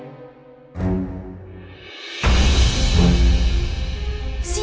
sampai kapan mereka bertiga berpura pura sama kita